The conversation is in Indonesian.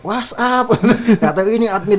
whatsapp atau ini admin